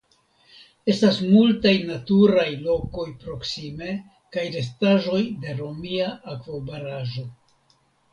Estas multaj naturaj lokoj proksime kaj restaĵoj de romia akvobaraĵo.